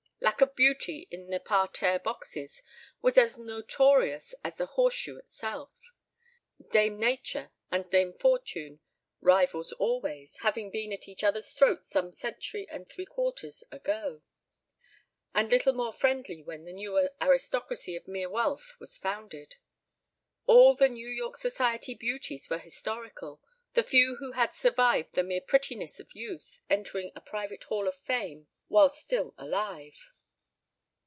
Lack of beauty in the parterre boxes was as notorious as the "horseshoe" itself, Dame Nature and Dame Fortune, rivals always, having been at each other's throats some century and three quarters ago, and little more friendly when the newer aristocracy of mere wealth was founded. All the New York Society Beauties were historical, the few who had survived the mere prettiness of youth entering a private Hall of Fame while still alive.